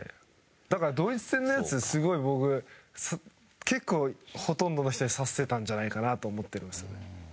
だから、ドイツ戦のやつすごい僕結構、ほとんどの人に刺さってたんじゃないかなと思ってるんですよね。